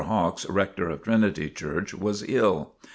Hawks, rector of Trinity Church, was ill.